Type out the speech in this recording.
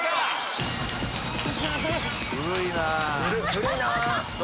古いな！何？